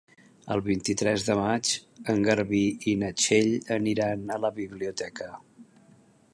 El vint-i-tres de maig en Garbí i na Txell aniran a la biblioteca.